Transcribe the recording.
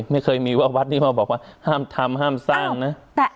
ไม่เคยมีว่าวัดนี้มาบอกว่าห้ามทำห้ามสร้างนะ